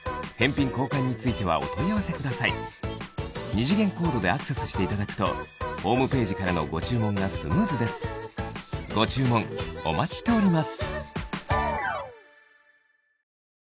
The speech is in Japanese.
二次元コードでアクセスしていただくとホームページからのご注文がスムーズですご注文お待ちしております